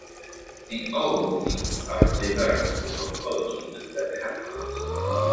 The Ulvophytes are diverse in their morphology and their habitat.